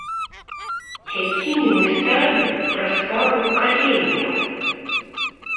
Якімі мы станем праз пару пакаленняў?